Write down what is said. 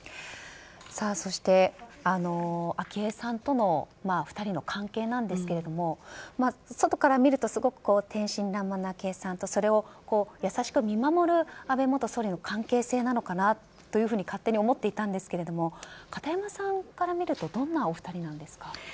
そして、昭恵さんとの２人の関係なんですけど外から見るとすごく天真らんまんな昭恵さんとそれを優しく見守る安倍元総理の関係性なのかなと勝手に思っていたんですけれど片山さんから見るとどんなお二人なんですか？